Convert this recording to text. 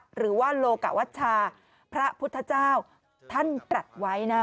หรือว่าโลกวัชชาพระพุทธเจ้าท่านตรัสไว้นะ